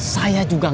saya juga gak mau